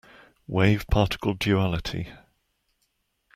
Wave-particle duality.